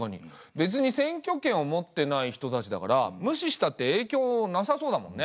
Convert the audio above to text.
べつに選挙権を持ってない人たちだから無視したってえいきょうなさそうだもんね。